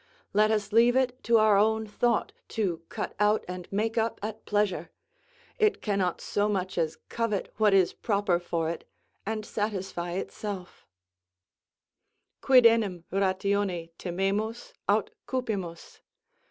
Let us leave it to our own thought to cut out and make up at pleasure; it cannot so much as covet what is proper for it, and satisfy itself: Quid enim ratione timemus, Aut cupimus?